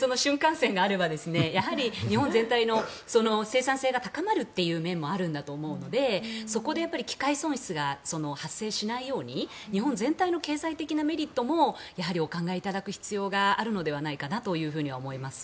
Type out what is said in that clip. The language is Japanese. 線があれば日本全体の生産性が高まる面もあると思うんでそこで機会損失が発生しないように日本全体の経済的なメリットもお考えいただく必要があるのではないのかなと思います。